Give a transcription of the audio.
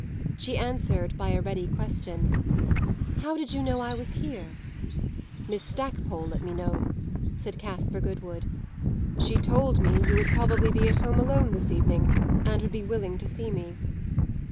She answered by a ready question, "How did you know I was here?" "Miss Stackpole let me know," said Caspar Goodwood. "She told me you would probably be at home alone this evening and would be willing to see me."